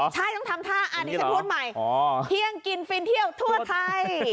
ใช่ต้องทำท่าอันนี้ฉันพูดใหม่เที่ยงกินฟินเที่ยวทั่วไทย